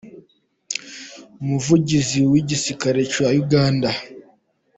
umuvugizi w’igisirikare cya Uganda.